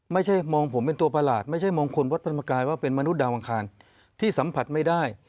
ไม่ใช่มองผมเป็นตัวประหลาดไม่ใช่มองคนวัดธรรมกายว่าเป็นมนุษย์ดาวอังคารที่สัมผัสไม่ได้